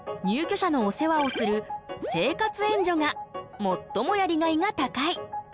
入居者のお世話をする生活援助がもっともやりがいが高い。